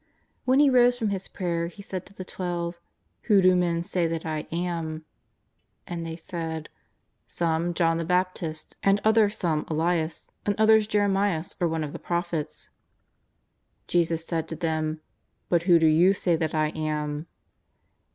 When He rose from His prayer He said to the Twelve :" Who do men say that I am ?" And they said :" Some, John the Baptist, and other some, Elias, and others Jeremias or one of the Prophets." Jesus said to them :" But who do you say that I am?"